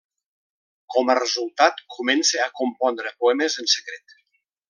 Com a resultat, comença a compondre poemes en secret.